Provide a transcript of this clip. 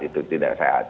itu tidak sehat